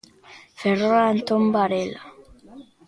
Ferrol Antón Varela.